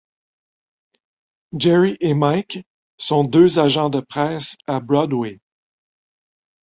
Jerry et Mike sont deux agents de presse à Broadway.